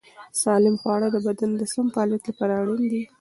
سالم خواړه د بدن د سم فعالیت لپاره اړین دي.